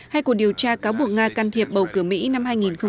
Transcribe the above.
hay cuộc điều tra cáo buộc nga can thiệp bầu cử mỹ năm hai nghìn một mươi sáu